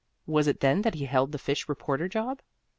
Was it then that he held the fish reporter job?